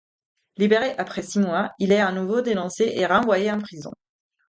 Libéré après six mois, il est à nouveau dénoncé et renvoyé en prison.